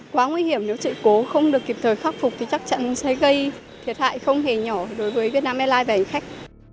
quá nguy hiểm nếu trị cố không được kịp thời phát phục thì chắc chắn sẽ gây thiệt hại không hề nhỏ đối với việt nam airlines và hệ thống khách